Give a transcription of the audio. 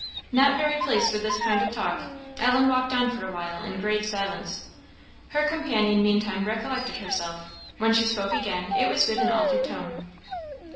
Not very pleased with this kind of talk, Ellen walked on for a while, in grave silence. Her companion meantime recollected herself; when she spoke again it was with an altered tone.